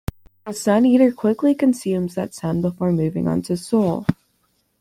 The Sun-Eater quickly consumes that sun before moving on to Sol.